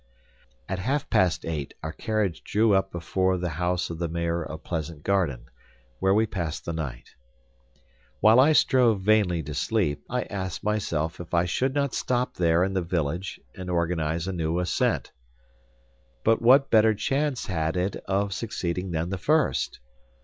At half past eight our carriage drew up before the house of the Mayor of Pleasant Garden, where we passed the night. While I strove vainly to sleep, I asked myself if I should not stop there in the village and organize a new ascent. But what better chance had it of succeeding than the first?